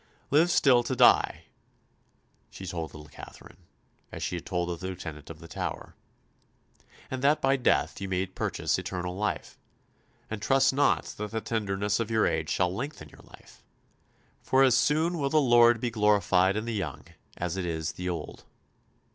"Live still to die," she told little Katherine, as she had told the Lieutenant of the Tower, "and that by death you may purchase eternal life; and trust not that the tenderness of your age shall lengthen your life ... for as soon will the Lord be glorified in the young as in the old....